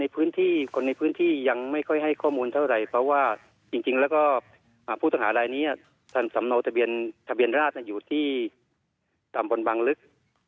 เพราะว่าจริงแล้วก็ผู้ต่างหารายนี้ท่านสำเนาทะเบียนราชอยู่ที่ตำบลบังลึก